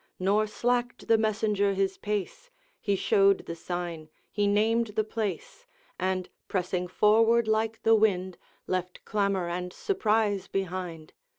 Nor slacked the messenger his pace; He showed the sign, he named the place, And, pressing forward like the wind, Left clamor and surprise behind.